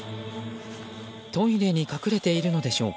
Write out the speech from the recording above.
トイレに隠れているのでしょうか。